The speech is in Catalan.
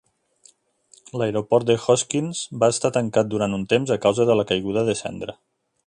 L'aeroport de Hoskins va estar tancat durant un temps a causa de la caiguda de cendra.